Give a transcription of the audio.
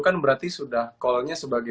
kan berarti sudah call nya sebagai